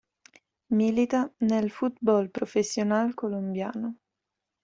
Milita nel Fútbol Profesional Colombiano.